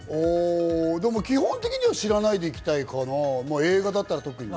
でも基本的には知らないで行きたいかな、映画だったら特に。